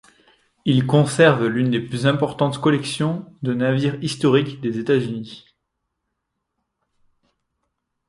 Il conserve l'une des plus importantes collections de navires historiques des États-Unis.